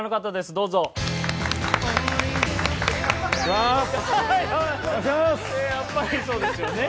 やっぱりそうですよね。